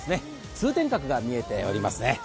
通天閣が見えておりますね。